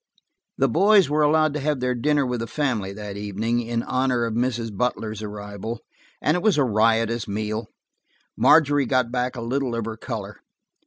The boys were allowed to have their dinner with the family that evening, in honor of Mrs. Butler's arrival, and it was a riotous meal. Margery got back a little of her color.